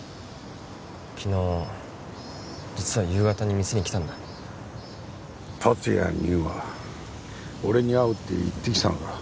昨日実は夕方に店に来たんだ達也には俺に会うって言ってきたのか？